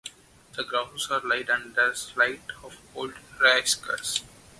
The grounds are laid and the sight of old railcars.